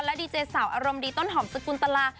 และดีเจสาวอารมณ์ดีต้นหอมสกุลตลา